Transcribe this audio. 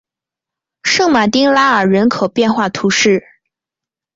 圣马丁拉尔人口变化图示